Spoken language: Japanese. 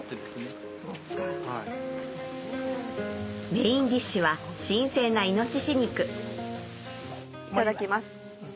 メインディッシュは新鮮ないただきます。